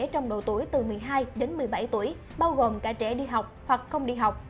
trong độ tuổi từ một mươi hai đến một mươi bảy tuổi bao gồm cả trẻ đi học hoặc không đi học